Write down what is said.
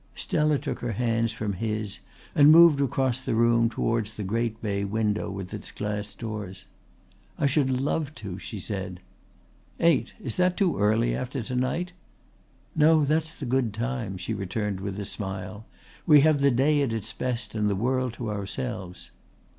Stella took her hands from his and moved across the room towards the great bay window with its glass doors. "I should love to," she said. "Eight. Is that too early after to night?" "No, that's the good time," she returned with a smile. "We have the day at its best and the world to ourselves."